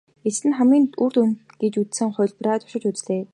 Эцэст нь хамгийн үр дүнтэй гэж үзсэн хувилбараа туршиж үзнэ.